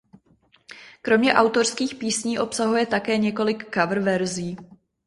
Kromě autorských písní obsahuje také několik coververzí.